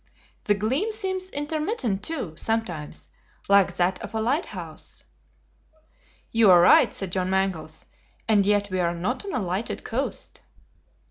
The gleam seems intermittent too, sometimes, like that of a lighthouse." "You are right," said John Mangles, "and yet we are not on a lighted coast."